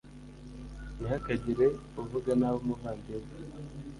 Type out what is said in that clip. ntihakagire uvuga nabi umuvandimwe .